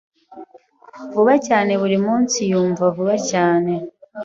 Vuba cyane, burimunsi yumva vuba cyane